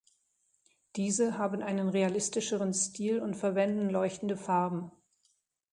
Diese haben einen realistischeren Stil und verwenden leuchtende Farben.